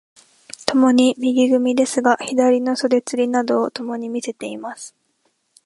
共に右組ですが、左の袖釣などをともに見せています。